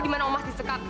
di mana omas disekat